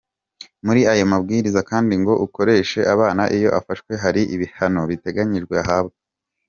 Muri ayo mabwiriza kandi ngo ukoresha abana iyo afashwe hari ibihano biteganyijwe ahabwa.